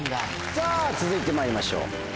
さぁ続いてまいりましょう。